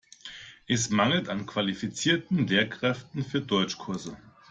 Es mangelt an qualifizierten Lehrkräften für Deutschkurse.